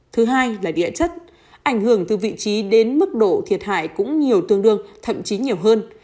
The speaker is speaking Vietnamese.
thứ hai là địa chất ảnh hưởng từ vị trí đến mức độ thiệt hại cũng nhiều tương đương thậm chí nhiều hơn